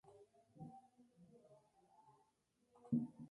Se encuentra deshabitado.